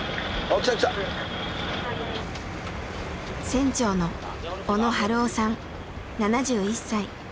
船長の小野春雄さん７１歳。